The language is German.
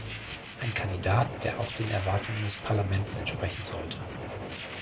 Ein Kandidat, der auch den Erwartungen des Parlaments entsprechen sollte.